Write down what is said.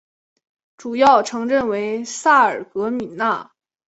主要城镇为萨尔格米讷。